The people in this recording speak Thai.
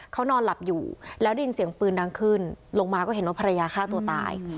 เขานอนหลับอยู่แล้วได้ยินเสียงปืนดังขึ้นลงมาก็เห็นว่าภรรยาฆ่าตัวตาย